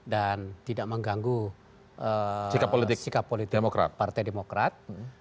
dan tidak mengganggu sikap politik partai demokrat